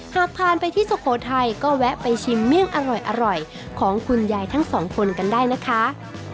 หากผ่านไปที่สุโขทัยก็แวะไปชิมเมี่ยงอร่อยของคุณยายทั้งสองคนกันได้นะคะ